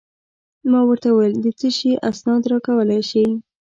ما ورته وویل: د څه شي اسناد راکولای شې؟